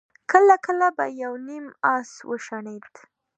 کله کله به يو نيم آس وشڼېد.